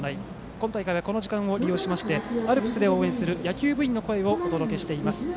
今大会はこの時間を利用しましてアルプスで応援する野球部員の声をお届けしています。